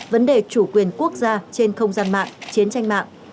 vấn đề chủ quyền quốc gia trên không gian mạng chiến tranh mạng